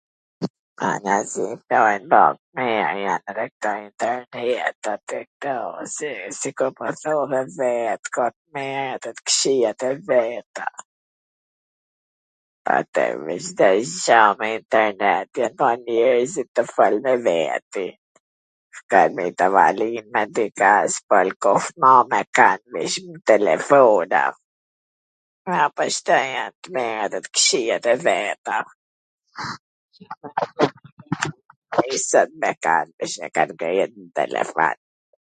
me internet i ka ba njerzit tu fol me vedi. ka t mirat e t kwqijat e veta....